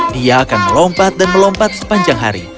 dia akan melompat dan melompat sepanjang hari